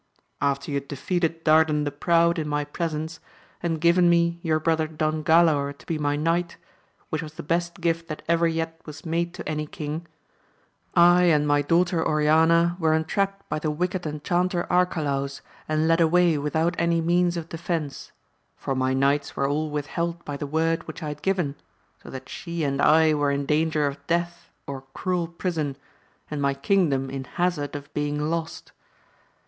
After you had defeated Dardan the Proud in my presence, and given me your brother Don Galaor AMADIS OF GAUL. 251 to be my knight, which was the best gift that ever yet was made to any king, I and my daughter Oriana were entrapped by the wicked Enchanter Arcalaus, and led away without any means of defence ; for my knights were all withheld by the word which I had given ; so that she and I were in danger of death or cruel prison, and my kingdom in hazard of being lost.